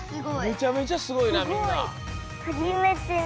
めちゃめちゃすごいなみんな！